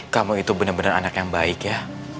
kamu itu bener bener anak yang baik ya